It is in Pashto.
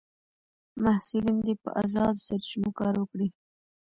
محصلین دي په ازادو سرچینو کار وکړي.